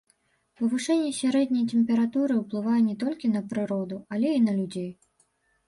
Павышэнне сярэдняй тэмпературы ўплывае не толькі на прыроду, але і на людзей.